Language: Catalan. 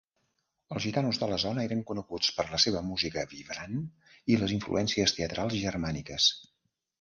Els gitanos de la zona eren coneguts per la seva música vibrant i les influències teatrals germàniques.